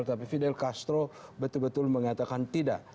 tapi fidel castro betul betul mengatakan tidak